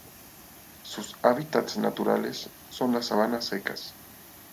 Sus hábitats naturales son las sabanas secas.